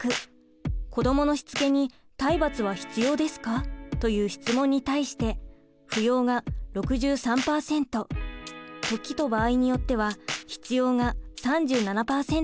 「子どものしつけに体罰は必要ですか？」という質問に対して「不要」が６３％「時と場合によっては必要」が３７％でした。